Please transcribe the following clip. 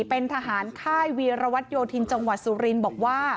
เป็นทหารค่ายวีรวัตโยธินจังหวัดสุรินทร์บอกว่า